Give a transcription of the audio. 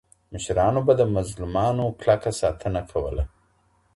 مشرانو به د مظلومانو کلکه ساتنه کوله.